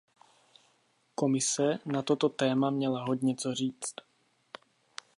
Komise na toto téma měla hodně co říci.